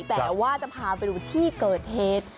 แต่ว่าจะพาไปดูที่เกิดเหตุ